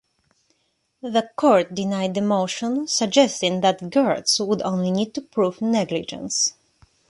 The court denied the motion, suggesting that Gertz would only need to prove negligence.